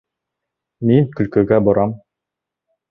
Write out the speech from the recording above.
Мин көлкөгә борам.